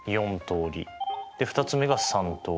２つ目が３通り。